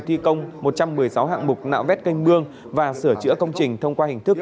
thi công một trăm một mươi sáu hạng mục nạo vét canh mương và sửa chữa công trình thông qua hình thức